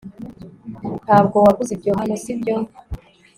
ntabwo waguze ibyo hano, sibyo